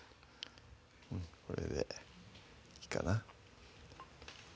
これでいいかな？